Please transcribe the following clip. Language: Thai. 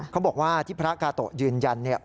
เขาบอกว่าที่พระกาโตะยืนยันเนี่ย